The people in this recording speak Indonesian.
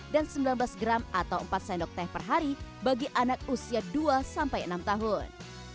dan sembilan belas gram atau empat sendok teh per hari bagi anak usia dua enam tahun